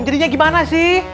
jadinya gimana sih